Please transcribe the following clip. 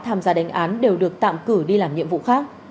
tham gia đánh án đều được tạm cử đi làm nhiệm vụ khác